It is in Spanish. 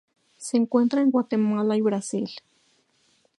Se encuentra en Guatemala y Brasil.